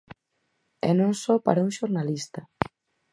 E non só para un xornalista.